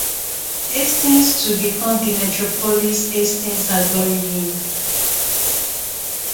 Hastings to become the Metropolis-Hastings algorithm.